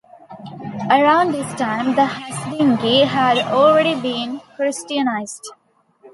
Around this time, the Hasdingi had already been Christianized.